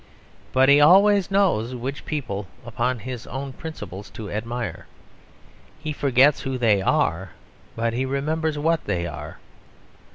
But he always knows which people upon his own principles to admire. He forgets who they are, but he remembers what they are.